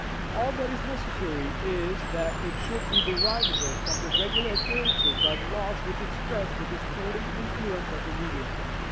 All that is necessary is that it should be derivable from the regular appearances by the laws which express the distorting influence of the medium.